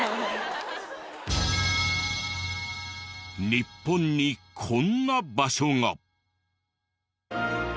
日本にこんな場所が。